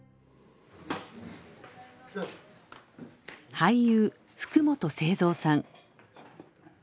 俳優福本清三さん。